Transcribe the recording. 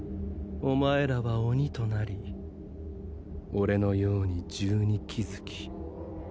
お前らは鬼となり俺のように十二鬼月。